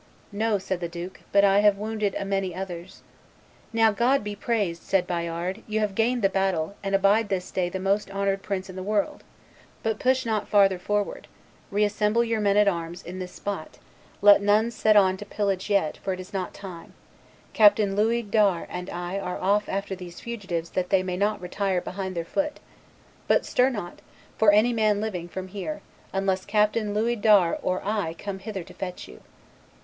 'No,' said the duke, 'but I have wounded a many others.' 'Now, God be praised!' said Bayard; 'you have gained the battle, and abide this day the most honored prince in the world; but push not farther forward; reassemble your men at arms in this spot; let none set on to pillage yet, for it is not time; Captain Louis d'Ars and I are off after these fugitives that they may not retire behind their foot; but stir not, for any man living, from here, unless Captain Louis d'Ars or I come hither to fetch you.